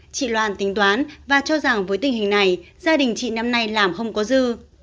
chị loan tính toán và cho rằng với tình hình này gia đình chị năm nay làm không có dư